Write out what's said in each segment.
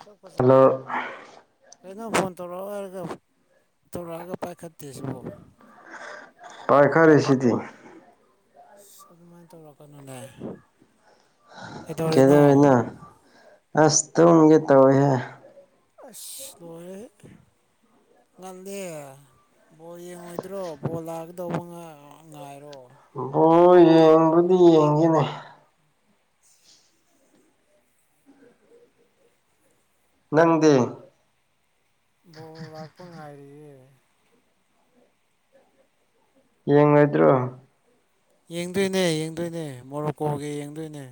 ꯁꯣꯛ ꯐꯖ ꯍꯜꯂꯣ ꯀꯩꯅꯣ ꯐꯣꯟ ꯇꯧꯔꯛꯑꯣ ꯍꯥꯏꯔꯒ ꯇꯧꯔꯛꯑꯒ ꯄꯥꯏꯈꯠꯇꯦ ꯁꯤꯕ ꯄꯥꯏꯈꯥꯔꯦꯁꯤꯗꯤ ꯁꯃꯥꯏꯅ ꯇꯧꯔꯀꯅꯣꯗ ꯀꯩꯗꯧꯅ ꯑꯁ ꯇꯨꯝꯒꯦ ꯇꯧꯋꯏꯦꯍꯦ ꯑꯏ ꯅꯣꯔꯦ ꯉꯜꯂꯦ ꯕꯣꯜ ꯌꯦꯡꯉꯣꯏꯗ꯭ꯔꯣ ꯕꯣꯜ ꯂꯥꯛꯒꯗꯧꯕ ꯉꯥꯏꯔꯣ ꯏ ꯣ ꯌꯦꯡꯕꯗꯤ ꯌꯦꯡꯈꯤꯦꯅꯦ ꯅꯪꯗꯤ ꯕꯣꯜ ꯂꯥꯛꯄ ꯉꯥꯏꯔꯤꯌꯦ ꯌꯦꯡꯣꯏꯗꯣ ꯌꯦꯡꯗꯣꯏꯅꯦ ꯌꯦꯡꯗꯣꯏꯅꯦ ꯃꯣꯔꯣꯛ ꯀꯣꯒꯦ ꯌꯦꯡꯗꯣꯏꯅꯦ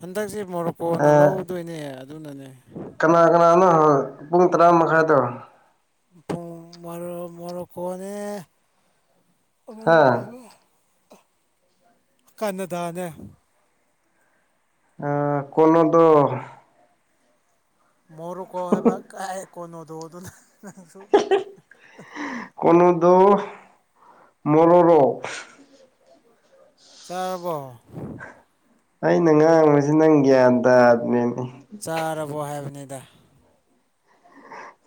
ꯍꯟꯗꯛꯁꯦ ꯃꯣꯔꯣꯀꯣꯅ ꯑꯥ ꯂꯧꯗꯣꯏꯅꯦ ꯑꯗꯨꯅꯅꯦ ꯀꯅꯥ ꯀꯅꯥꯅꯣ ꯄꯨꯡ ꯇꯔꯥ ꯃꯈꯥꯏꯗꯣ ꯄꯨꯡ ꯃ ꯃꯔꯀꯅꯤ ꯃ ꯍꯥ ꯀ ꯀꯟꯅꯗꯥꯅꯦ ꯀꯂꯣꯟꯣꯗ ꯃꯣꯔꯨꯀꯣ ꯍꯥꯏꯕ ꯀꯥꯏꯑꯦ ꯀꯣꯅꯣꯗꯣ ꯑꯗꯨꯅꯁꯨ ꯗ ꯃꯣꯔꯣꯔꯣ ꯆꯥꯔꯕꯣ ꯑꯩꯅ ꯉꯥꯡꯕꯁꯤ ꯅꯪ ꯒ꯭ꯌꯥꯟ ꯇꯥꯗꯅꯦꯅꯤ ꯆꯥꯔꯕꯣ ꯍꯥꯏꯕꯅꯤꯗ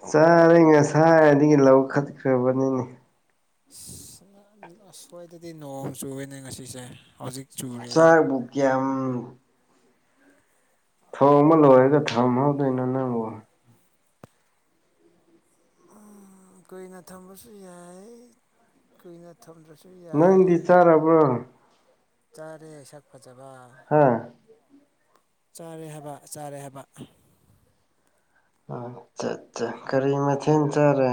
ꯆꯥꯔ ꯉꯁꯥꯏꯔꯗꯒꯤ ꯂꯧ ꯈꯠꯈ꯭ꯔꯕꯅꯤꯅꯦ ꯑꯁꯋꯥꯏꯗꯗꯤ ꯅꯣꯡꯃ ꯆꯨꯕꯅꯦ ꯉꯁꯤꯁꯦ ꯍꯧꯖꯤꯛ ꯆꯨꯔꯦ ꯁꯥꯔꯕꯨ ꯀꯌꯥꯝ ꯊꯣꯡꯝ ꯂꯦꯒ ꯊꯥꯎꯝ ꯍꯧꯗꯅ ꯅꯪꯕꯣ ꯀꯨꯏꯅ ꯊꯝꯕꯁꯨ ꯌꯥꯏ ꯀꯨꯏꯅ ꯊꯝꯗ꯭ꯔꯁꯨ ꯅꯪꯗꯤ ꯌꯥꯏ ꯆꯥꯔꯕ꯭ꯔꯣ ꯆꯥꯔꯦ ꯁꯛ ꯐꯖꯕ ꯍꯥꯥ ꯆꯥꯔꯦ ꯍꯥꯏꯕ ꯆꯥꯔꯦ ꯍꯥꯏꯕ ꯑ ꯑꯠ ꯀꯔꯤ ꯃꯊꯦꯜ ꯆꯥꯔꯦ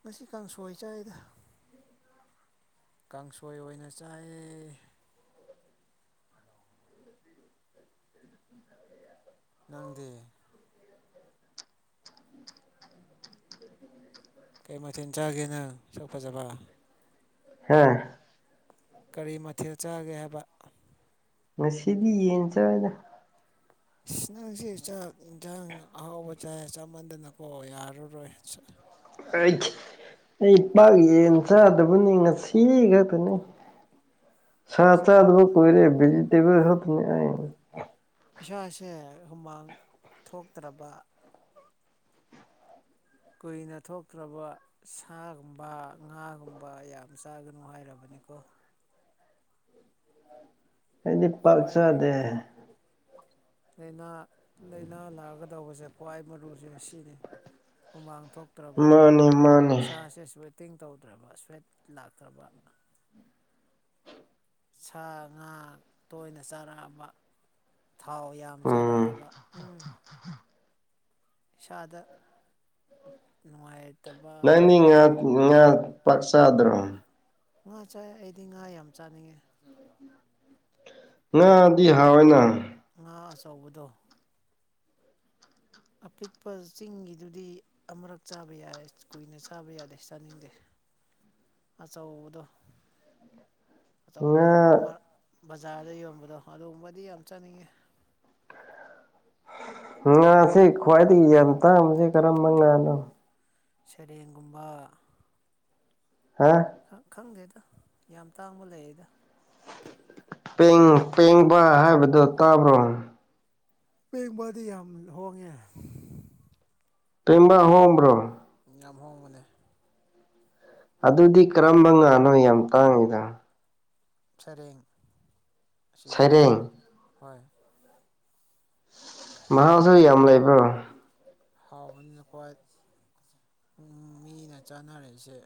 ꯉꯁꯤ ꯀꯥꯡꯁꯣꯏ ꯆꯏꯗ ꯀꯥꯡꯁꯣꯏ ꯑꯣꯏꯅ ꯆꯥꯏ ꯅꯪꯗꯦ ꯀꯩ ꯃꯊꯦꯜ ꯆꯥꯒꯦꯅꯪ ꯁꯛ ꯐꯖꯕ ꯍꯥꯦ ꯀꯔꯤ ꯃꯊꯦꯜ ꯆꯥꯒꯦ ꯍꯥꯏꯕ ꯉꯁꯤꯗꯤ ꯌꯦꯟ ꯆꯏꯗ ꯎ ꯅꯪꯁꯤ ꯆꯥꯛ ꯌꯦꯟꯁꯥꯡ ꯑꯍꯥꯎꯕ ꯆꯥꯏ ꯆꯥꯃꯟꯗꯅꯀꯣ ꯌꯥꯔꯔꯣꯏ ꯑꯩ ꯑꯩ ꯄꯥꯛ ꯌꯦꯟ ꯆꯥꯗꯕꯅꯤ ꯉꯁꯤ ꯈꯛꯇꯅꯦ [unintelligible] ꯁꯥ ꯆ ꯑꯗꯨꯕꯨ ꯑꯁꯦꯡꯕꯀꯣ ꯀꯣꯏꯔꯦ ꯕꯤꯖꯤꯇꯦꯕ ꯍꯥ ꯏꯁꯥꯁꯦ ꯍꯨꯃꯥꯡ ꯊꯣꯛꯇ꯭ꯔꯕ ꯀꯨꯏꯅ ꯊꯣꯛꯇ꯭ꯔꯕ ꯁꯥꯒꯨꯝꯕ ꯉꯥꯒꯨꯝꯕ ꯌꯥꯝ ꯆꯥꯒꯅꯨ ꯍꯥꯏꯔꯕꯅꯤ ꯑꯀꯣ ꯑꯩꯗꯤ ꯄꯥꯛ ꯈ꯭ꯋꯥꯏꯗꯒꯤ ꯆꯗꯦ ꯂꯥꯏꯅꯥ ꯂꯥꯛꯑꯒꯗꯧꯕꯁꯦ ꯈ꯭ꯋꯥꯏ ꯃꯔꯨ ꯍꯧꯛ ꯁꯤꯅꯤ ꯍꯨꯃꯥꯡ ꯊꯣꯛꯇ꯭ꯔꯕ ꯃꯥꯅꯤ ꯃꯥꯅꯤ ꯏꯁꯥꯥꯁꯁꯨ ꯀꯛꯇꯤꯡ ꯇꯧꯗ꯭ꯔꯕ ꯁ꯭ꯋꯦꯠ ꯂꯥꯛꯇ꯭ꯔꯕ ꯁꯥ ꯉꯥ ꯇꯣꯏꯅ ꯆꯥꯔꯛꯑꯕ ꯊꯥꯎ ꯌꯥꯝ ꯎꯝ ꯆꯥꯔꯛꯑꯕ ꯎ ꯁꯥꯗ ꯅꯨꯡꯉꯥꯏꯖ ꯅꯪꯗꯤ ꯉꯥ ꯉꯥ ꯄꯥꯛꯆꯥꯥꯗ꯭ꯔꯣ ꯉꯥ ꯆꯥꯏ ꯑꯩꯗꯤ ꯉꯥ ꯌꯥꯝ ꯆꯥꯅꯤꯡꯉꯦ ꯉꯥꯗꯤ ꯍꯥꯎꯏꯅ ꯇꯧꯕꯗꯣ ꯑꯄꯤꯛꯄ ꯆꯤꯡꯒꯤꯗꯨꯗꯤ ꯑꯃꯨꯔꯛ ꯆꯥꯕ ꯌꯥꯏ ꯀꯨꯏꯅ ꯆꯥꯕ ꯌꯥꯗꯦ ꯆꯥꯅꯤꯡꯗꯦ ꯑꯆꯧꯗ ꯑꯆꯧ ꯉꯥ ꯑꯆꯧꯕ ꯕꯖꯥꯔꯗ ꯌꯣꯟꯕꯗꯣ ꯑꯗꯨꯒꯨꯝꯕꯗꯤ ꯌꯥꯝ ꯆꯥꯅꯤꯡꯉꯤ ꯉꯥꯁꯦ ꯈ꯭ꯋꯥꯏꯗꯒꯤ ꯌꯥꯝꯟ ꯇꯥꯡꯕꯁꯤꯦ ꯀꯔꯝꯕ ꯉꯥꯅꯣ ꯁꯔꯦꯡꯒꯨꯝꯕ ꯍꯥ ꯈꯪꯗꯦꯗ ꯌꯥꯝ ꯇꯥꯡꯕ ꯂꯩꯌꯦꯗ ꯄꯦꯡ ꯄꯦꯡꯕ ꯍꯥꯏꯕꯗꯨꯣ ꯇꯥꯕ꯭ꯔꯣ ꯄꯦꯡꯕꯥꯗꯤ ꯌꯥꯝ ꯍꯣꯡꯉꯦ ꯇꯕ ꯍꯍꯣꯕ꯭ꯔꯣ ꯌꯥꯝ ꯍꯣꯡꯕꯅꯦ ꯑꯗꯨꯗꯤ ꯀꯔꯝꯕ ꯉꯥꯅꯣ ꯌꯥꯝ ꯇꯥꯡꯉꯤꯗ ꯁꯔꯦꯡ ꯑꯁꯤꯗꯗꯤ ꯁꯩꯔꯦꯡ ꯍꯣꯏ ꯃꯍꯥꯎꯁꯨ ꯌꯥꯝ ꯂꯩꯕ꯭ꯔꯣ ꯍꯥꯎꯕꯅꯤꯅ ꯈ꯭ꯋꯥ ꯃꯤꯅ ꯆꯥꯅꯔꯛꯏꯁꯦ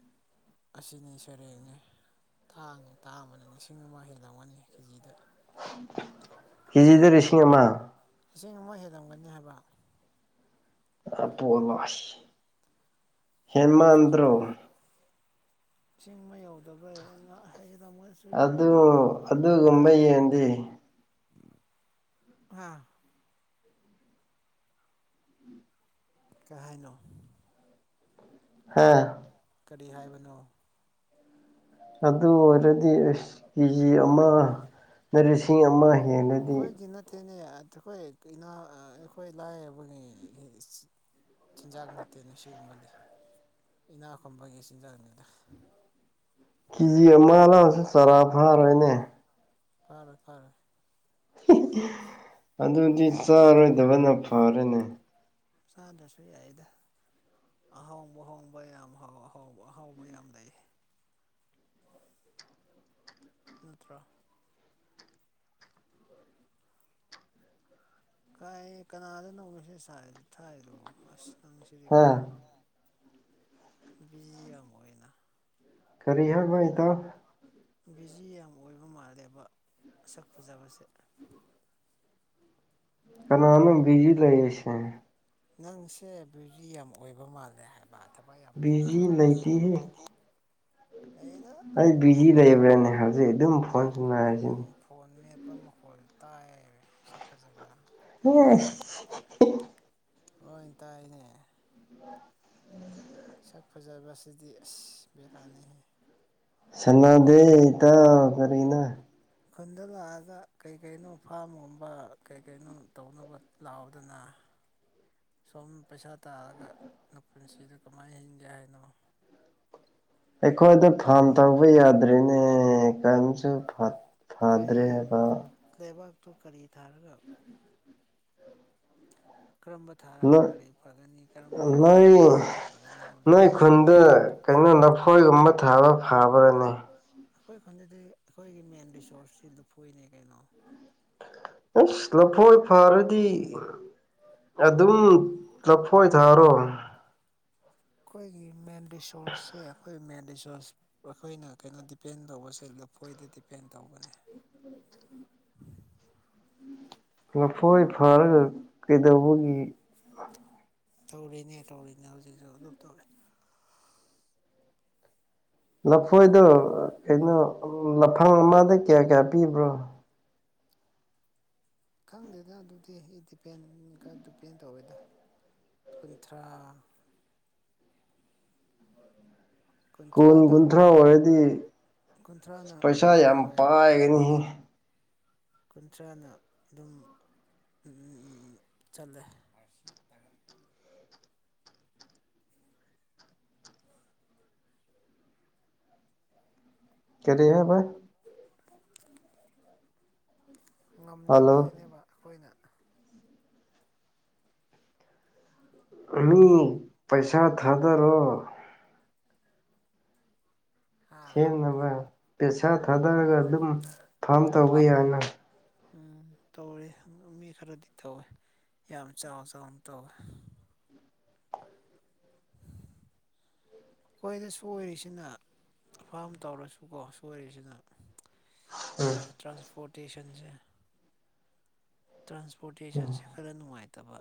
ꯑꯁꯤꯅꯤ ꯁꯔꯦꯡꯅꯤ ꯊꯥꯡ ꯇꯥ ꯑꯃꯅ ꯂꯤꯁꯤꯡ ꯑꯃ ꯍꯦꯜ ꯂꯧꯒꯅꯤ ꯀꯦꯖꯤꯗ ꯍꯤꯖꯤꯗꯔꯤꯁꯤꯉꯃ ꯏꯁꯤꯡ ꯑꯃ ꯍꯦꯜꯂꯝꯝꯒꯅꯤ ꯍꯥꯏꯕ ꯑꯄꯣꯋꯥꯁꯤ ꯍꯦꯟꯃꯥꯟꯗ꯭ꯔꯣ ꯆꯤꯡꯕ ꯌꯧꯗꯕ ꯑꯗꯨ ꯑꯗꯨꯒꯨꯝꯕ ꯌꯦꯟꯗꯤ ꯑꯝ ꯀꯥꯏꯅꯣ ꯍꯥꯥ ꯀꯔꯤ ꯍꯥꯏꯕꯅꯣ ꯑꯗꯨ ꯑꯣꯏꯔꯗꯤ ꯑꯦꯁ ꯀꯦꯖꯤ ꯑꯃꯅ ꯂꯤꯁꯤꯡ ꯑꯃ ꯍꯦꯜꯂꯗꯤ ꯀꯣꯏ ꯀꯤꯟꯅꯠꯇꯅꯤ ꯑꯩꯈꯣꯏ ꯑꯩꯈꯣꯏ ꯂꯥꯏꯔꯕꯒꯤ ꯆꯤꯟꯖꯥꯛ ꯅꯠꯇꯦꯅ ꯁꯤꯒꯨꯝꯕꯗꯤ ꯏꯅꯥ ꯈꯨꯕꯒꯤ ꯆꯤꯟꯖꯥꯛꯅꯤꯗ ꯀꯦꯖꯤ ꯑꯃ ꯂꯥꯎꯁꯨ ꯆꯥꯔꯥ ꯐꯥꯔꯣꯏꯅꯦ ꯐꯥꯔꯦ ꯐꯥꯔꯦ ꯑꯗꯨꯗꯤ ꯆꯥꯔꯣꯏꯗꯕꯅ ꯐꯔꯦꯅꯦ ꯏꯁꯥꯗꯁꯨ ꯌꯥꯏꯗ ꯑꯍꯥꯎꯕ ꯑꯍꯣꯡꯕ ꯌꯥꯝ ꯍꯥꯎ ꯑꯍꯥꯎꯕ ꯑꯍꯥꯎꯕ ꯌꯥꯝ ꯂꯩ ꯅꯠꯇ꯭ꯔꯥ ꯀꯥꯏ ꯀꯅꯥꯗ ꯅꯧꯉꯁꯦ ꯊꯥꯏꯗꯨꯕꯣ ꯑꯁ ꯍꯥ ꯅꯪꯁꯤꯗꯤꯀꯣ ꯕꯤꯖꯤ ꯑꯃꯅ ꯈꯔꯤ ꯍꯥꯏ ꯃꯗ ꯕꯤꯖꯤ ꯌꯥꯝ ꯑꯣꯏꯕ ꯃꯥꯜꯂꯦꯕ ꯁꯛ ꯐꯖꯕꯁꯦ ꯀꯩꯅ ꯑꯅ ꯕꯤꯖꯤ ꯂꯩꯏꯁꯦ ꯅꯪꯁꯦ ꯕ꯭ꯌꯨꯖꯤ ꯌꯥꯝ ꯑꯣꯏꯕ ꯃꯥꯜꯂꯦ ꯍꯥꯏꯕ ꯊꯕꯛ ꯌꯥꯝ ꯂꯩꯕ ꯕꯤꯖꯤ ꯂꯩꯇ ꯍ ꯑꯩꯗ ꯑꯩ ꯕꯤꯖꯤ ꯂꯩꯕ꯭ꯔꯥꯅꯦ ꯍꯧꯖꯤꯛ ꯑꯗꯨꯝ ꯐꯣꯟꯁꯨ ꯅꯥꯔꯁꯤꯅꯤ ꯁꯛꯄ ꯃꯈꯣꯜ ꯇꯥꯏꯕ ꯁꯛꯄ ꯖꯒꯥ ꯍ ꯍꯣꯏ ꯏ ꯇꯥꯏꯅꯦ ꯁꯛ ꯐꯖꯕꯁꯤꯗꯤ ꯑꯁ ꯕꯦꯔꯥꯅꯤꯍꯦ ꯁꯅꯥꯗꯦ ꯇ ꯀꯔꯤꯅ ꯈꯨꯟꯗ ꯂꯥꯛꯑꯒ ꯀꯩ ꯀꯩꯅꯣ ꯐꯥꯝꯒꯨꯝꯕ ꯀꯩ ꯀꯩꯅꯣ ꯇꯧꯅꯕ ꯂꯥꯎꯗꯅ [unintelligible] ꯁꯣꯝ ꯄꯩꯁꯥ ꯇꯥꯔꯒ ꯄꯨꯟꯁꯤꯗ ꯀꯃꯥꯏꯅ ꯍꯤꯡꯒꯦ ꯍꯥꯏꯅꯣ ꯑꯩꯈꯣꯏꯗ ꯐꯝ ꯇꯧꯕ ꯌꯥꯗ꯭ꯔꯤꯅꯦ ꯀꯝꯁꯨ ꯊꯥꯗ꯭ꯔꯦ ꯍꯥꯏꯕ ꯇꯨ ꯀꯔꯤ ꯊꯥꯔꯒ ꯀꯔꯝꯕ ꯊꯥꯔꯒ ꯅꯣꯏ ꯀꯔꯤ ꯐꯒꯅꯤ ꯀꯔꯝꯕ ꯅꯣꯏ ꯀꯔꯝꯕ ꯐꯒꯅꯤ ꯍꯥꯏꯕꯗꯣ ꯌꯦꯡꯉꯣ ꯑꯩꯅꯣꯟ ꯅꯐꯣꯏꯒꯨꯝꯕ ꯊꯥꯕ ꯐꯥꯕꯔꯅꯤ ꯑꯩꯈꯣꯏ ꯈꯨꯟꯗꯗꯤ ꯑꯩꯈꯣꯏꯒꯤ ꯃꯦꯟ ꯔꯤꯁꯣꯔꯁꯁꯤ ꯂꯨꯐꯨꯅꯦ ꯀꯩꯅꯣ ꯑꯁ ꯂꯐꯣꯏ ꯐꯔꯗꯤ ꯑꯗꯨꯝ ꯆꯐꯣꯏ ꯊꯥꯔꯣ ꯑꯩꯈꯣꯏꯒꯤ ꯃꯦꯟ ꯔꯤꯁꯣꯔꯁꯁꯦ ꯑꯩꯈꯣꯏ ꯃꯦꯟ ꯔꯤꯁꯣꯔꯁ ꯑꯩꯈꯣꯏꯅ ꯀꯩꯅꯣ ꯗꯤꯄꯦꯟ ꯇꯧꯕꯁꯦ ꯂꯐꯣꯏꯗ ꯗꯤꯄꯦꯟ ꯇꯧꯕꯅꯦ [unintelligible] ꯂꯐꯣꯏ ꯐꯔꯒ ꯀꯩꯗꯧꯕꯒꯤ ꯇꯧꯔꯤꯅꯦ ꯇꯧꯔꯤꯅꯦ ꯍꯧꯖꯤꯛꯁꯨ ꯑꯗꯨꯝ ꯇꯧꯔꯤ ꯂꯐꯣꯏꯗꯣ ꯀꯩꯅꯣ ꯂꯐꯪ ꯑꯃꯗ ꯀꯌꯥ ꯀꯌꯥ ꯄꯤꯕ꯭ꯔꯣ ꯈꯪꯗꯦꯗ ꯑꯗꯨꯗꯤ ꯑꯩ ꯗꯤꯄꯦꯟꯒ ꯗꯤꯄꯦꯟ ꯇꯧꯋꯦꯗ ꯀꯨꯟꯊ꯭ꯔꯥ ꯀꯨꯟ ꯀꯨꯟꯊ꯭ꯔꯥꯅ ꯀꯨꯟꯊ꯭ꯔꯥ ꯑꯣꯏꯔꯗꯤ ꯀꯨꯟꯊ꯭ꯔꯥꯅ ꯄꯩꯁꯥ ꯀꯩꯅꯣ ꯌꯥꯝ ꯑꯣꯏ ꯄꯥꯏꯒꯅꯤ ꯀꯨꯟꯊ꯭ꯔꯥꯅ ꯑꯗꯨꯝ ꯆꯠꯂꯦ ꯇꯥꯒ ꯀꯦꯔꯤ ꯍꯥꯏꯦꯕꯥꯏ ꯍꯜꯂꯣ ꯉꯝꯗꯕꯗꯅꯦꯕ ꯑꯩꯈꯣꯏꯅ ꯑꯅꯤ ꯄꯩꯁꯥ ꯊꯥꯗꯔꯣ ꯍꯥ ꯁꯦꯝꯅꯕ ꯄꯩꯁꯥ ꯊꯥꯗꯔꯒ ꯑꯗꯨꯝ ꯐꯥꯝ ꯇꯧꯕ ꯌꯥꯅ ꯎꯝ ꯇꯧꯋꯦ ꯃꯤ ꯈꯔꯗꯤ ꯇꯧꯋꯦ ꯌꯥꯝ ꯆꯥꯎ ꯆꯥꯎꯅ ꯇꯧꯋꯦ [unintelligible] ꯑꯩꯈꯣꯏꯅ ꯁꯣꯏꯔꯤꯁꯤꯅ ꯐꯥꯝ ꯇꯧꯔꯁꯨꯀꯣ ꯁꯣꯏꯔꯤꯁꯤꯅ ꯇ ꯎꯝ ꯇ꯭ꯔꯥꯟꯁꯄꯣꯔꯇꯦꯁꯟꯁ ꯇ꯭ꯔꯥꯟꯁꯄꯣꯔꯇꯦꯁꯟꯁꯦ ꯈꯔ ꯅꯨꯡꯉꯥꯏꯇꯕ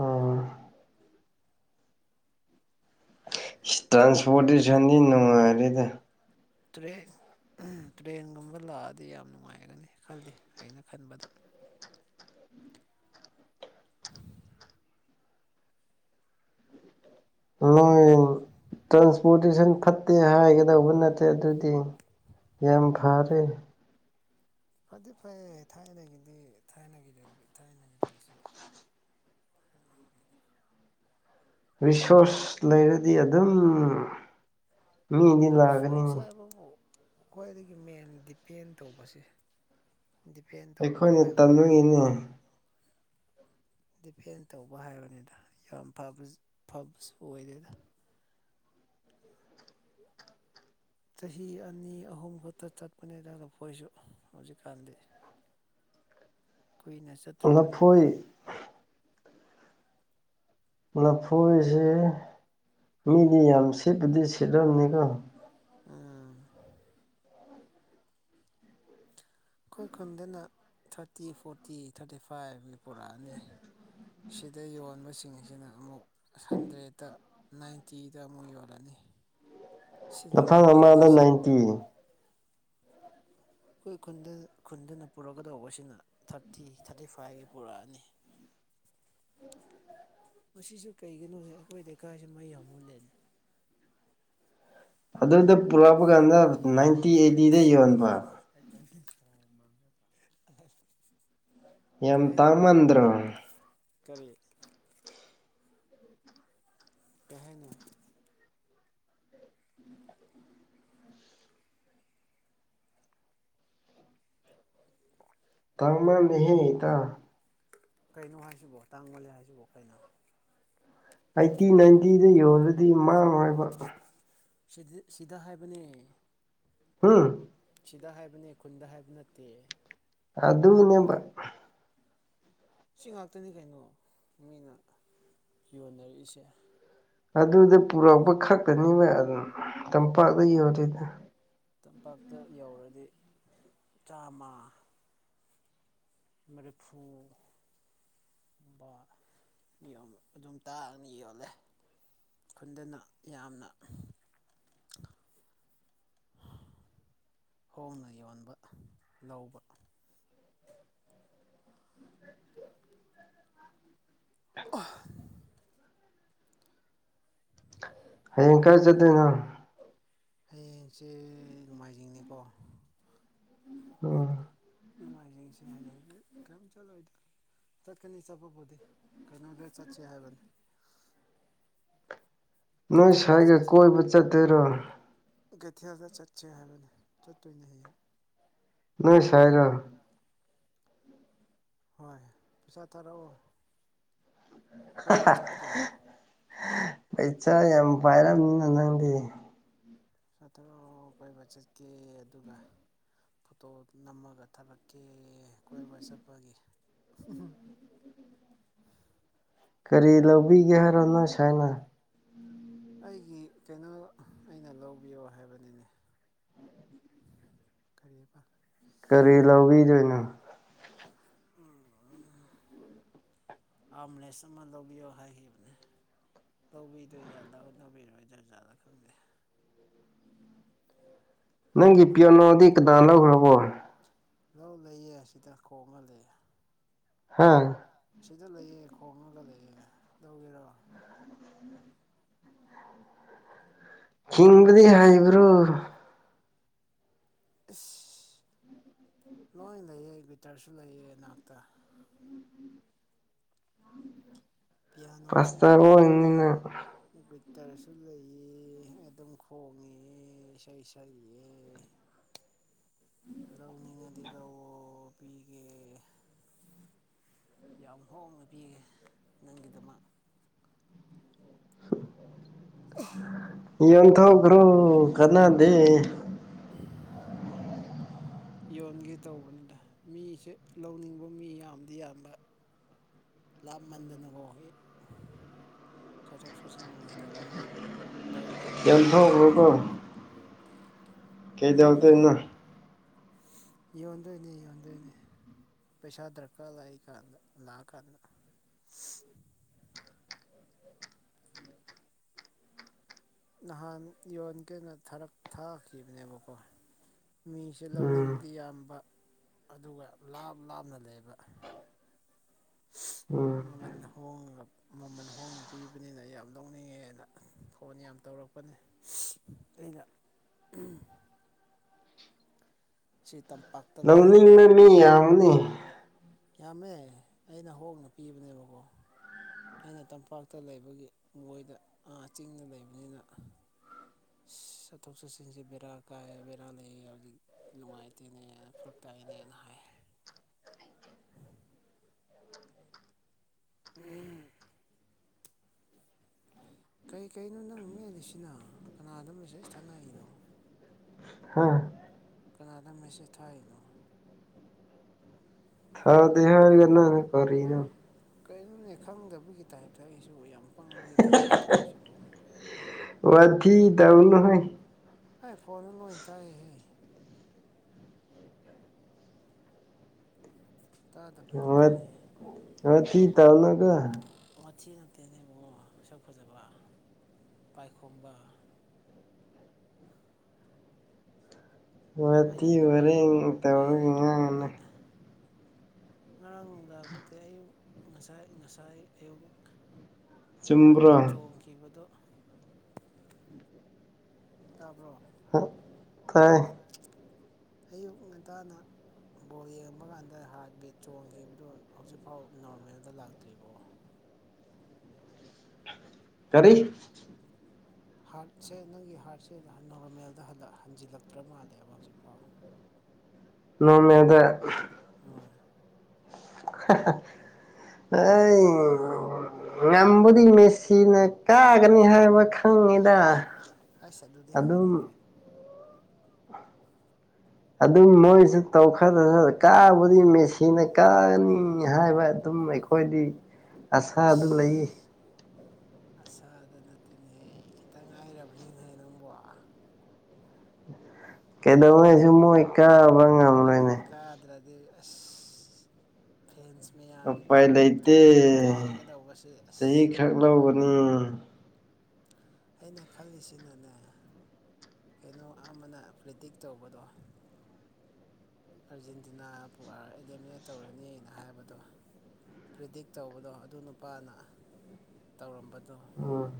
ꯎꯝ ꯇ꯭ꯔꯥꯟꯁꯄꯣꯔꯇꯦꯁꯟꯗꯤ ꯅꯨꯡꯉꯥꯏꯔꯤꯗ ꯇ꯭ꯔꯦ ꯇ꯭ꯔꯦꯟꯒꯨꯝꯕ ꯂꯥꯛꯑꯗꯤ ꯌꯥꯝ ꯅꯨꯡꯉꯥꯏꯒꯅꯤ ꯈꯜꯂꯤ ꯑꯩꯅ ꯈꯟꯕꯗ ꯅꯣꯏ ꯎꯝ ꯇ ꯄꯣꯂꯤꯁꯟ ꯐꯠꯇꯦ ꯍꯥꯏꯒꯗꯧꯕ ꯅꯠꯇꯦ ꯑꯗꯨꯗꯤ ꯌꯥꯝ ꯐꯔꯦ ꯐꯗꯤꯦ ꯐꯩ ꯊꯥꯏꯅꯒꯤꯗꯤ ꯊꯥꯏꯅ ꯊꯥꯏꯁꯨ [unintelligible] ꯔꯤꯁꯣꯔꯁ ꯂꯩꯔꯗꯤ ꯑꯗꯨꯝ ꯃꯤꯗꯤ ꯔꯤꯁꯣꯔꯁ ꯂꯥꯛꯒꯅꯤꯅꯦ ꯍꯥꯏꯕꯕꯨ ꯈ꯭ꯋꯥꯏꯗꯒꯤ ꯃꯦꯟ ꯗꯤꯄꯦꯟ ꯇꯧꯕꯁꯦ ꯗꯤꯄꯦꯟ ꯇꯧꯕꯗꯣ ꯑꯩꯈꯣꯏꯅ ꯍꯥꯏꯕꯅꯤꯗ ꯇꯝꯃꯨꯏꯅꯦ ꯗꯤꯄꯦꯟ ꯇꯧꯕ ꯍꯥꯏꯕꯅꯤꯗ ꯌꯥꯝ ꯐꯕꯁꯨ ꯑꯣꯏꯗꯦꯗ ꯆꯍꯤ ꯑꯅꯤ ꯑꯍꯨꯝ ꯈꯛꯇ ꯆꯠꯄꯅꯦ ꯑꯗꯨꯒꯄꯣꯏꯁꯨ ꯍꯧꯖꯤꯛꯀꯥꯟꯗꯤ ꯀꯨꯏꯅ ꯆꯠꯇ꯭ꯔꯕꯅꯤ ꯂꯐꯣꯏ ꯂꯐꯣꯏꯁꯦ ꯃꯤꯗꯤ ꯌꯥꯝ ꯁꯦꯠꯄꯗꯤ ꯁꯦꯠꯂꯝꯝꯅꯤꯀꯣ ꯎꯝ ꯑꯩꯈꯣꯏ ꯈꯨꯟꯗꯅ ꯊꯥꯔꯇꯤ ꯐꯣꯔꯇꯤ ꯊꯥꯔꯇꯤ ꯐꯥꯏꯚꯅꯤ ꯄꯨꯔꯛꯑꯅꯤ ꯁꯤꯗ ꯌꯣꯟꯕꯁꯤꯡ ꯑꯁꯤꯅ ꯑꯃꯨꯛ ꯍꯟꯗ꯭ꯔꯦꯠꯇ ꯅꯥꯏꯟꯇꯤꯗ ꯑꯃꯨꯛ ꯌꯣꯜꯂꯅꯤ ꯂꯐꯝ ꯁꯤꯅꯤꯅꯦ ꯑꯃꯗ ꯕꯤꯖꯤꯅꯦꯁꯁꯦ ꯅꯥꯏꯟꯇꯤ ꯑꯩꯈꯣꯏ ꯈꯨꯟꯗ ꯈꯨꯟꯗꯅ ꯄꯨꯔꯛꯀꯗꯧꯕꯁꯤꯅ ꯊꯥꯔꯇꯤ ꯊꯥꯔꯇꯤ ꯐꯥꯏꯚꯒꯤ ꯄꯨꯔꯛꯑꯅꯤ ꯎ ꯃꯁꯤꯁꯨ ꯀꯩꯒꯤꯅꯣꯦ ꯑꯩꯈꯣꯏ ꯂꯩꯀꯥꯏꯁꯤ ꯃꯩ ꯌꯥꯝ ꯃꯨꯜꯂꯦꯅꯦ ꯑꯗꯨꯗ ꯄꯨꯔꯛꯄ ꯀꯥꯟꯗ ꯅꯥꯏꯟꯇꯤ ꯑꯩꯠꯇꯤꯗ ꯌꯣꯟꯕ [inaudible] ꯌꯥꯝ ꯀꯩ ꯇ ꯍꯥꯏꯅꯣ ꯃꯗ꯭ꯔ ꯀꯔꯤ ꯇꯅ ꯇꯥꯡꯃ ꯅꯍꯦꯗ ꯀꯩꯅꯣ ꯍꯥꯏꯁꯤꯕꯣ ꯇꯥꯡꯒꯣꯂꯦ ꯍꯥꯏꯁꯤꯕ ꯀꯩꯅꯣ ꯑꯩꯠꯇꯤ ꯅꯥꯏꯟꯇꯤꯗ ꯌꯣꯔꯗꯤ ꯃꯥꯡꯉꯣꯏꯕ ꯗ ꯁꯤꯗ ꯍꯥꯏꯕꯅꯦ ꯍꯥꯥ ꯁꯤꯗ ꯍꯥꯏꯕꯅꯦ ꯈꯨꯟꯗ ꯍꯥꯏꯕ ꯅꯠꯇꯦ ꯑ ꯑꯗꯨ ꯏꯅ ꯁꯤ ꯉꯥꯛꯇꯅꯤ ꯀꯩꯅꯣ ꯃꯤꯅ ꯌꯣꯟꯅꯔꯛꯏꯁꯦ ꯑꯗꯨꯗ ꯄꯨꯔꯛꯄ ꯈꯛꯇꯅꯦꯕ ꯑꯗꯨꯝ ꯇꯝꯄꯥꯛꯇ ꯌꯣꯜꯂꯤꯗ ꯇꯝꯄꯥꯛꯇ ꯌꯧꯔꯗꯤ ꯆꯥꯃ ꯃꯔꯤꯐꯨ ꯝꯕ ꯑꯗꯨꯝ ꯇꯥꯛꯑꯅꯤ ꯌꯣꯜꯂꯦ ꯈꯨꯟꯗꯅ ꯌꯥꯝꯅ ꯍꯣꯡꯅ ꯌꯣꯟꯕ ꯂꯧꯕ ꯑ ꯍꯌꯦꯡ ꯀꯔ ꯆꯠꯇꯣꯏꯅꯣ ꯍꯌꯦꯡꯁꯦ ꯅꯣꯡꯃꯥꯏꯖꯤꯡꯅꯤꯀꯣ ꯑ ꯅꯨꯡꯃꯥꯏꯖꯤꯡꯁꯦ ꯍꯥꯏ ꯀ ꯆꯗ ꯆꯠꯀꯅꯤ ꯆꯠꯄꯕꯨꯗꯤ ꯀꯩꯅꯣꯗ ꯆꯠꯁꯦ ꯍꯥꯏꯕꯅꯤ ꯅꯣꯏ ꯀꯩꯊꯦꯜꯗ ꯁ꯭ꯋꯥꯏꯒ ꯆꯠꯁꯦ ꯀꯣꯏꯕ ꯆꯠꯇꯣꯏꯔꯣ ꯀꯩꯊꯦꯜꯗ ꯆꯠꯁꯦ ꯍꯥꯏꯕꯅꯤ ꯆꯠꯇꯣꯏꯅꯦ ꯍꯌꯦꯡ ꯅꯣꯏ ꯁꯥꯏꯗ ꯍꯣꯏ ꯄꯩꯁꯥ ꯊꯥꯔꯛꯑꯣ [inaudible] ꯀꯣꯏꯕ ꯆꯠꯀꯦ [unintelligible] ꯄꯩꯁꯥ ꯌꯥꯝ ꯄꯥꯏꯔꯝꯅꯤꯅ ꯅꯪꯗꯤ ꯆꯇ꯭ꯔꯨꯛ ꯀꯣꯏꯕ ꯆꯠꯀꯦ ꯑꯗꯨꯒ ꯐꯣꯇꯣ ꯅꯝꯃꯒ ꯊꯥꯔꯛꯀꯦ ꯀꯣꯏꯕ ꯆꯠꯄꯒꯤ ꯍꯝꯝ ꯀꯔꯤ ꯂꯧꯕꯤꯒꯦ ꯍꯥꯏꯔꯣꯅꯣ ꯁꯥꯏꯅ ꯑꯩꯒꯤ ꯀꯩꯅꯣ ꯑꯩꯅ ꯂꯧꯕꯤꯌꯣ ꯍꯥꯏꯕꯅꯤꯅꯦ ꯀꯔꯤꯌꯦ ꯄ ꯀꯔꯤ ꯂꯧꯥꯎꯤꯖꯣꯏꯩꯅ ꯑꯣ ꯑꯝꯕꯨꯂꯦꯟꯁ ꯑꯃ ꯂꯧꯕꯤꯌꯣ ꯍꯥꯏꯈꯤꯕꯅꯦ ꯂꯧꯕꯤꯗꯣꯏꯖꯥꯠ ꯂꯧꯕꯤꯔꯣꯏ ꯖꯥꯠ ꯖꯥꯠꯂ ꯈꯪꯗꯦ ꯅꯪꯒꯤ ꯄꯤꯌꯥꯅꯣꯗꯤ ꯀꯗꯥ ꯂꯧꯈ꯭ꯔꯕꯣ ꯂꯧ ꯂꯩꯌꯦ ꯑꯁꯤꯗ ꯈꯣꯡꯍꯜꯂꯦ ꯍꯥꯥ ꯑꯁꯤꯗ ꯂꯩꯌꯦꯦ ꯈꯣꯡꯉꯒ ꯂꯩꯌꯦꯦ ꯂꯧꯒꯦꯔꯣ ꯍꯪꯕꯗꯤ ꯍꯥꯏꯕ꯭ꯔꯣ ꯏꯁ ꯂꯣꯏ ꯂꯩꯑ ꯋꯇꯔꯁꯨ ꯂꯩꯑ ꯏꯅꯥꯛꯇ ꯄꯤꯌꯥꯅꯣꯁꯨ ꯄꯥꯁꯇꯔ ꯂꯩ ꯑꯣꯏꯕꯅꯤꯅ ꯍꯇꯔꯁꯨ ꯂꯩꯑ ꯑꯗꯨꯝ ꯈꯣꯡꯉꯦ ꯏꯁꯩ ꯁꯛꯑ ꯇꯧꯅꯤꯡꯉꯗꯤ ꯂꯧꯧ ꯄꯤꯒꯦ ꯌꯥꯝ ꯍꯣꯡꯅ ꯄꯤꯌꯦꯦ ꯅꯪꯒꯤꯗꯃꯛ ꯏꯇ ꯍꯒ꯭ꯔꯣ ꯀꯅꯥꯗꯦ ꯌꯣꯟꯒꯦ ꯇꯧꯕꯅꯤꯅ ꯃꯤꯁꯦ ꯂꯧꯅꯤꯡꯕ ꯃꯤ ꯌꯥꯝꯗꯤ ꯌꯥꯝꯕ ꯂꯥꯞꯃꯟꯗꯅꯀꯣ ꯆꯠꯊꯣꯛ ꯆꯠꯁꯤꯟ ꯅꯨꯡꯉꯥꯏꯇꯕꯅꯤꯅ ꯂꯧꯕ ꯌꯥꯗꯕ ꯌꯣꯟꯊꯣꯛꯈ꯭ꯔꯣꯀꯣ ꯌꯣꯟꯒꯦ ꯀꯩꯗꯎꯗꯅ ꯌꯣꯟꯗꯣꯏꯅꯦ ꯌꯣꯟꯗꯣꯏꯅꯦ ꯄꯩꯁꯥ ꯗꯔꯀꯥ ꯂꯏ ꯀꯗ ꯂꯥ ꯀꯗ ꯅꯍꯥꯟ ꯌꯣꯟ ꯀꯦꯅ ꯊꯥꯈꯤꯕꯅꯦꯕꯀꯣ ꯃꯤꯁꯦ ꯎꯝ ꯂꯧꯅꯤꯡꯕꯗꯤ ꯌꯥꯝꯕ ꯑꯗꯨꯒ ꯂꯥꯞ ꯂꯥꯞꯅ ꯂꯩꯕ ꯎꯝ ꯃꯃ ꯍꯣ ꯃꯃꯜ ꯍꯣꯡꯅ ꯄꯤꯔꯤꯕꯅꯤꯅ ꯌꯥꯝ ꯅꯣꯛꯅꯤꯡꯉꯦ ꯑꯅ ꯐꯣꯟ ꯌꯥꯝ ꯇꯧꯔꯛꯄꯅꯤ ꯑꯩꯅ ꯁꯤꯇꯝ ꯅ ꯏꯅꯤ ꯌꯥ ꯉꯅꯤ ꯌꯥꯝꯃꯦ ꯑꯩꯅ ꯍꯣꯡꯅ ꯄꯤꯕꯅꯦꯕꯀꯣ ꯑꯩꯅ ꯇꯝꯄꯥꯛꯇ ꯂꯩꯕꯒꯤ ꯃꯣꯏꯗ ꯑꯥ ꯆꯤꯡꯗ ꯂꯩꯕꯅꯤꯅ [unintelligible] ꯆꯠꯊꯣꯛ ꯆꯠꯁꯤꯟꯁꯦ ꯕꯦꯔꯥ ꯀꯥꯏ ꯕꯦꯔꯥ ꯂꯩꯌꯦ ꯍꯧꯖꯤꯛ ꯅꯨꯡꯉꯥꯏꯇꯦꯅꯦ ꯐꯔꯛ ꯇꯥꯏꯅꯦꯅ ꯍꯥꯏ [unintelligible] ꯎꯝ ꯀꯔꯤ ꯀꯩꯅꯣ ꯅꯪ ꯃꯦꯜꯂꯤꯁꯤꯅ ꯀꯅꯥꯗ ꯃꯦꯁꯦꯖ ꯊꯥꯅꯔꯤꯅꯣ ꯍꯥ ꯀꯅꯥꯗ ꯃꯦꯁꯦ ꯊꯥꯏꯅꯣ ꯊꯗ ꯍꯥꯏ ꯀ ꯀꯅ ꯀꯩꯅꯣꯅꯤ ꯈꯪꯗꯕꯒꯤ ꯇꯥꯏꯞꯇ ꯑꯩꯁꯨ ꯌꯥꯝ ꯄꯪꯕꯒꯤ ꯇꯥꯏꯞꯇ ꯇꯧꯕꯁꯤꯕꯨ ꯋꯥꯊꯤ ꯇꯧꯅꯨꯍꯣꯏ ꯑꯩ ꯐꯣꯟꯗ ꯂꯣꯏ ꯇꯥꯛꯍꯦ ꯇꯥꯗꯕ ꯋꯥ ꯅꯠꯇꯦꯅꯦꯍꯦ ꯋꯥꯊꯤ ꯇꯧꯅꯨꯗꯥ ꯋꯥꯊꯤ ꯅꯠꯇꯦꯅ ꯏꯕꯨꯡꯉꯣ ꯁꯛ ꯐꯖꯕ ꯄꯥꯏꯈꯣꯝꯕ ꯃꯠꯇꯤ ꯃꯩꯅ ꯃꯩ ꯑꯣꯏꯔꯦ ꯃꯩꯅ ꯇꯧꯒ ꯃꯨꯠꯄꯅꯦ ꯉꯔꯥꯡ ꯅꯨꯡꯗꯥꯡ ꯅꯠꯇꯦ ꯑꯌꯨꯛ ꯉꯁꯥꯏ ꯉꯁꯥꯏ ꯑꯌꯨꯛ ꯆꯨꯝꯕ꯭ꯔꯣ ꯍꯥꯔꯗꯤꯠ ꯆꯣꯡꯈꯤꯕꯗꯣ ꯇꯥꯕ꯭ꯔꯣ ꯀꯥꯏ ꯑꯌꯨꯛ ꯉꯟꯇꯥꯅ ꯕꯣꯜ ꯌꯦꯡꯕ ꯀꯥꯟꯗ ꯍꯥꯔꯠ ꯕꯤꯠ ꯆꯣꯡꯈꯤꯕꯗꯨꯣ ꯍꯧꯖꯤꯛꯐꯥꯎ ꯅꯣꯔꯃꯦꯜꯗ ꯂꯥꯛꯇ꯭ꯔꯤꯕꯣ ꯀꯔꯤ ꯍꯥꯔꯠꯁꯦ ꯅꯪꯒꯤ ꯍꯥꯔꯠꯁꯦ ꯅꯣꯔꯃꯦꯜꯗ ꯍꯟꯖꯤꯜꯂꯛꯇ꯭ꯔ ꯃꯥꯜꯂꯦꯕ ꯍꯧꯖꯤꯛꯐꯥꯎ [unintelligible] ꯅꯣꯔꯃꯦꯜꯗ ꯍꯣꯏ ꯑꯩ ꯉꯝꯕꯨꯗꯤ ꯃꯦꯁꯤꯅ ꯀꯥꯒꯅꯤ ꯍꯥꯏꯕ ꯈꯪꯉꯤꯗ ꯑꯁ ꯑꯗꯨꯗꯤ ꯑꯗꯨꯝ ꯍꯥꯏꯅꯨꯍꯦ ꯑꯗꯨꯝ ꯃꯣꯏꯁꯨ ꯇꯧꯈꯗ꯭ꯔ ꯀꯥꯕꯨꯗꯤ ꯃꯦꯆꯤꯟꯅ ꯀꯥꯅꯤ ꯍꯥꯏꯕ ꯑꯗꯨꯝ ꯑꯩꯈꯣꯏꯗꯤ ꯑꯁꯥꯗꯨ ꯂꯩ ꯑꯁꯥ ꯑꯗꯨ ꯅꯠꯇꯦꯅꯦꯍꯦ ꯈꯤꯇꯪ ꯉꯥꯏꯔꯕꯅꯤꯅꯦꯍꯦ ꯅꯪꯕ ꯀꯩꯗꯧꯉꯩꯁꯨ ꯃꯣꯏ ꯀꯥꯕ꯭ꯔ ꯉꯝꯂꯣꯏꯅꯦ ꯑ ꯑꯁ ꯐꯔꯥꯟꯁ ꯎꯄꯥꯏ ꯂꯩꯇꯦ ꯀꯥꯏꯒꯗꯧꯕꯁꯦ ꯆꯍꯤ ꯑꯁ ꯈꯔ ꯂꯧꯒꯅꯤ ꯑꯩꯅ ꯈꯜꯂꯤꯁꯤꯅꯅꯦ ꯀꯩꯅꯣ ꯑꯃꯅ ꯄ꯭ꯔꯤꯗꯤꯛ ꯇꯧꯕꯗꯣ ꯑꯥꯔꯖꯦꯟꯇꯤꯅꯥꯕꯨ ꯑꯦꯂꯤꯃꯤꯅꯦꯠ ꯇꯧꯔꯅꯤꯅ ꯍꯥꯏꯕꯗꯣ ꯄ꯭ꯔꯤꯗꯤꯛ ꯇꯧꯕꯗꯣ ꯑꯗꯨ ꯅꯨꯄꯥꯅ ꯇꯧꯔꯝꯕꯗ ꯎꯝ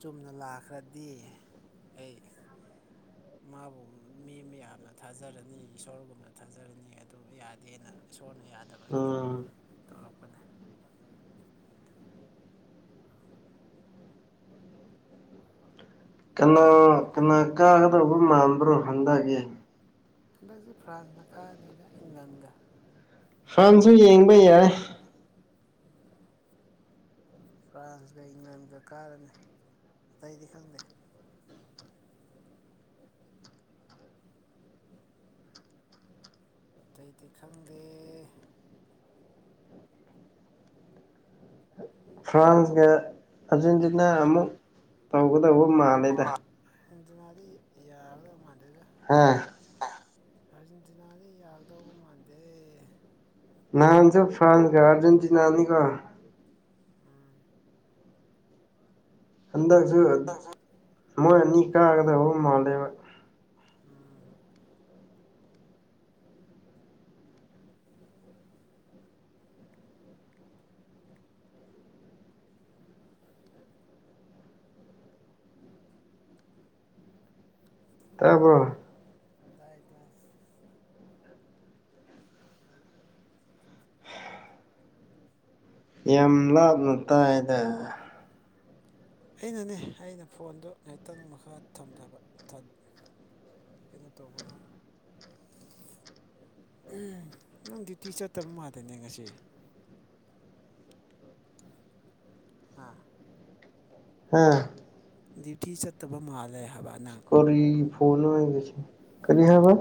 ꯆꯨꯝꯅ ꯂꯥꯛꯈ꯭ꯔꯗꯤ ꯑꯩ ꯃꯥꯕꯨ ꯃꯤ ꯑꯃ ꯌꯥꯝꯅ ꯊꯥꯖꯔꯅꯤ ꯏꯁꯣꯔꯒꯨꯝꯅ ꯊꯥꯖꯔꯅꯤ ꯑꯗꯨ ꯌꯥꯗꯦꯅ ꯁꯣꯟꯅ ꯌꯥꯗꯕꯒꯤ ꯎꯝ ꯇꯧꯔꯛꯄ ꯀꯅꯥ ꯀꯅꯥ ꯀꯥꯒꯗꯧꯕ ꯃꯥꯟꯕ꯭ꯔꯣ ꯍꯟꯊꯛꯒꯤ ꯍꯗꯁꯦ ꯐ꯭ꯔꯥꯟꯁꯅ ꯀꯅꯤꯗ ꯏꯪꯂꯦꯟꯒ ꯐꯔꯥꯟꯁꯨ ꯌꯦꯡꯕ ꯌꯥꯏ ꯐ꯭ꯔꯥꯟꯁꯀ ꯏꯪꯂꯦꯟꯒ ꯀꯥꯔꯅꯤ ꯑꯇꯩꯗꯤ ꯈꯪꯗꯦ ꯑꯇꯩꯗꯤ ꯈꯪꯗꯦ ꯐ꯭ꯔꯥꯟꯁꯀ ꯑꯥꯔꯖꯦꯟꯇꯤꯅꯥ ꯑꯃꯨꯛ ꯇꯧꯒꯗꯧꯕ ꯃꯥꯂꯦꯗ ꯑꯔꯖꯦꯟꯇꯤꯅꯥꯗꯤ ꯌꯥꯒꯗꯧ ꯃꯥꯥꯟꯗꯦ ꯍꯥꯥ ꯑꯔꯖꯦꯟꯇꯤꯅꯥꯒꯤ ꯌꯥꯒꯗꯧꯕ ꯃꯥꯟꯗꯦ ꯅꯥꯍꯟꯁꯨ ꯐ꯭ꯔꯥꯟꯁ ꯀ ꯑꯔꯖꯦꯟꯇꯤꯟꯅꯥ ꯑꯅꯤꯀꯣ ꯎꯝ ꯍꯟꯗꯛꯁꯨ ꯃꯣꯏ ꯑꯅꯤ ꯀꯥꯒꯗꯕꯧꯕ ꯃꯥꯜꯂꯦꯕ ꯎꯝ ꯇꯄ ꯇꯥꯏ ꯇꯥꯏ ꯌꯥꯝ ꯂꯥꯞꯅ ꯇꯥꯏꯗ ꯑꯩꯅꯅꯦ ꯑꯩꯅ ꯐꯣꯟꯗꯨ ꯉꯥꯏꯍꯥꯛꯇꯪ ꯃꯈꯥ ꯊꯝꯕ ꯀꯩꯅꯣ ꯇꯧꯕ ꯅꯪ ꯗ꯭ꯌꯨꯇꯤ ꯆꯠꯇꯕ ꯃꯥꯜꯗꯅꯦ ꯉꯁꯤ ꯍꯥ ꯍꯥꯥ ꯗ꯭ꯌꯨꯇꯤ ꯆꯠꯇꯕ ꯃꯥꯂꯦ ꯍꯥꯏꯕ ꯅꯪ ꯀꯔꯤ ꯐꯣꯟꯣꯟ ꯀꯔꯤ ꯍꯥꯏꯕ